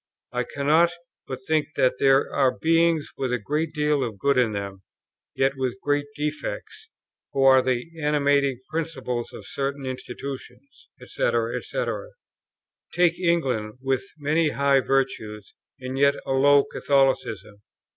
I cannot but think that there are beings with a great deal of good in them, yet with great defects, who are the animating principles of certain institutions, &c., &c.... Take England with many high virtues, and yet a low Catholicism.